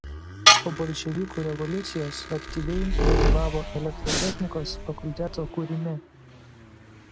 Po bolševikų revoliucijos aktyviai dalyvavo elektrotechnikos fakulteto kūrime.